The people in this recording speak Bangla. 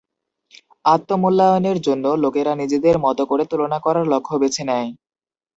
আত্ম-মূল্যায়নের জন্য, লোকেরা নিজেদের মতো করে তুলনা করার লক্ষ্য বেছে নেয়।